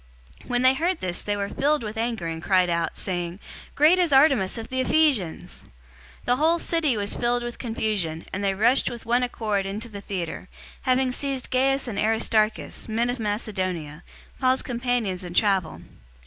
019:028 When they heard this they were filled with anger, and cried out, saying, "Great is Artemis of the Ephesians!" 019:029 The whole city was filled with confusion, and they rushed with one accord into the theater, having seized Gaius and Aristarchus, men of Macedonia, Paul's companions in travel.